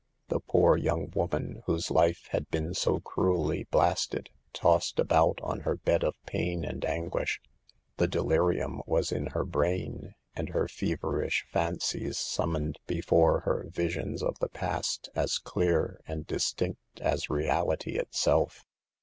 The poor young woman, whose life had been so cruelly blasted, tossed about on her bed of pain and anguish. The delirium was in her brain, and her feverish fancies summoned before her visions of the past, as clear and distinct as reality itself.